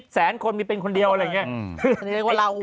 แสนคนมีเป็นคนเดียวอะไรแบบสัน